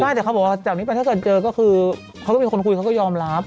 แต่เขาบอกว่าจากนี้ไปถ้าเกิดเจอก็คือเขาก็มีคนคุยเขาก็ยอมรับ